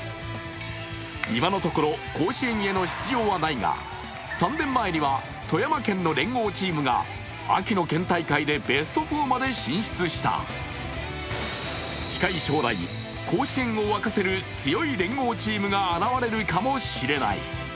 今のところ、甲子園への出場はないが、３年前には富山県の連合チームが秋の県大会でベスト４まで進出した近い将来、甲子園を沸かせる強い連合チームが現れるかもしれない。